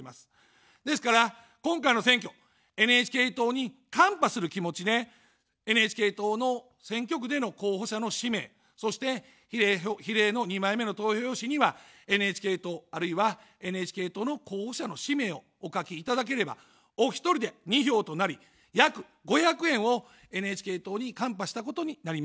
ですから、今回の選挙、ＮＨＫ党にカンパする気持ちで、ＮＨＫ党の選挙区での候補者の氏名、そして比例の２枚目の投票用紙にはＮＨＫ党、あるいはＮＨＫ党の候補者の氏名をお書きいただければ、お一人で２票となり、約５００円をＮＨＫ党にカンパしたことになります。